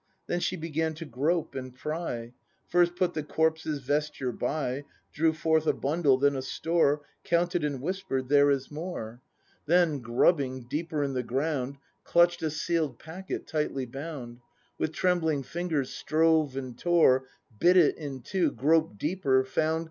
Then she began to grope and pry; First put the corpse's vesture by. Drew forth a bundle, then a store. Counted, and whisper'd: There is more! ACT II] BRAND 89 Then, grubbing deeper in the ground, Clutch'd a seal'd packet tightly bound, With trembUng fingers strove and tore. Bit it in two, groped deeper, found.